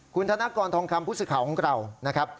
คุณธนากรทองคำพุศข่าวของเรา